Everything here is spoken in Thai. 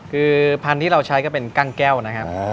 คือพันธุ์ที่เราใช้ก็เป็นกั้งแก้วนะครับ